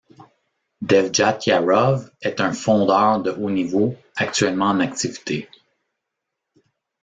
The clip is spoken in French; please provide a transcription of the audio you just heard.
Devjatiarov est un fondeur de haut niveau actuellement en activité.